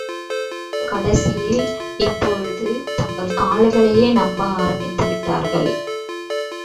கடைசியில் இப்பொழுது தங்கள் கால்களையே நம்ப ஆரம்பித்து விட்டார்கள்.